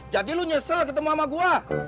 jadi lu nyesel ketemu sama gua